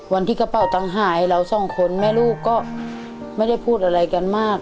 กระเป๋าตังค์หายเราสองคนแม่ลูกก็ไม่ได้พูดอะไรกันมาก